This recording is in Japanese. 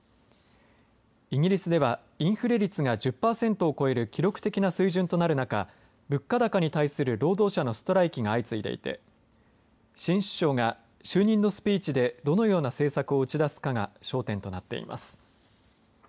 イギリスでは、インフレ率が１０パーセントを超える記録的な水準となる中物価高に対する労働者のストライキが相次いでいて新首相が就任のスピーチでどのような政策を打ち出すかが焦点となっています。